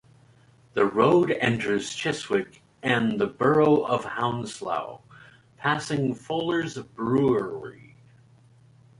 The road enters Chiswick and the Borough of Hounslow, passing Fuller's Brewery.